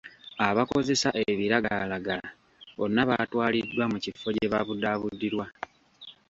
Abakozesa ebiragalalagala bonna baatwaliddwa mu kifo gye babudaabudirwa.